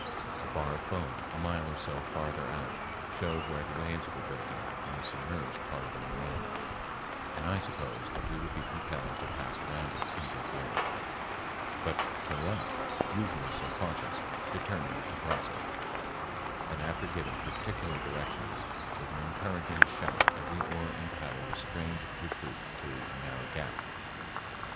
A bar of foam a mile or so farther out showed where the waves were breaking on a submerged part of the moraine, and I supposed that we would be compelled to pass around it in deep water, but Toyatte, usually so cautious, determined to cross it, and after giving particular directions, with an encouraging shout every oar and paddle was strained to shoot through a narrow gap.